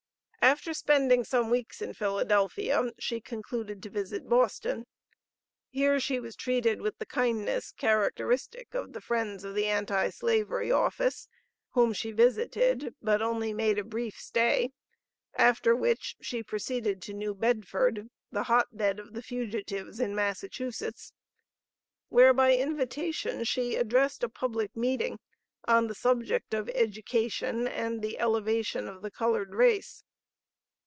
After spending some weeks in Philadelphia, she concluded to visit Boston. Here she was treated with the kindness characteristic of the friends in the Anti Slavery Office whom she visited, but only made a brief stay, after which she proceeded to New Bedford, the "hot bed of the fugitives" in Massachusetts, where by invitation she addressed a public meeting on the subject of Education and the Elevation of the Colored Race.